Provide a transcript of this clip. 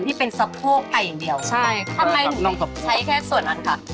ส่วนที่เป็นซะโพกไก่อย่างเดียวละครับทำไมหนูแต่ใช้แค่ส่วนนั้นคะ